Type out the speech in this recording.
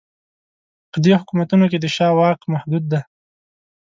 په دې حکومتونو کې د شاه واک محدود دی.